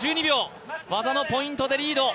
技のポイントでリード。